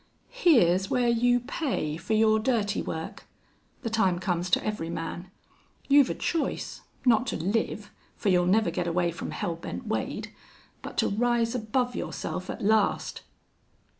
"Here's where you pay for your dirty work. The time comes to every man. You've a choice, not to live for you'll never get away from Hell Bent Wade but to rise above yourself at last."